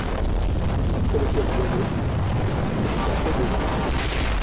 Lorsqu'elle était violée, le Sénat cassait les votes émis.